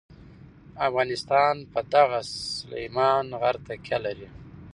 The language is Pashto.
افغانستان په دغه سلیمان غر تکیه لري.